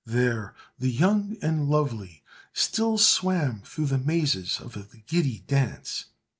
"There the young and lovely still swam through the mazes of the giddy dance!